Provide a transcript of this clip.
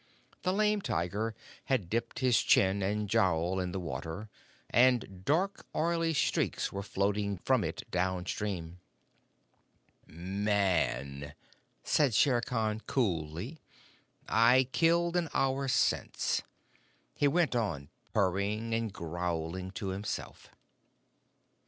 The Lame Tiger had dipped his chin and jowl in the water, and dark oily streaks were floating from it down stream. "Man!" said Shere Khan coolly, "I killed an hour since." He went on purring and growling to himself.